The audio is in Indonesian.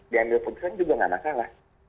diambil keputusan juga gak masalah